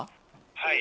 はい。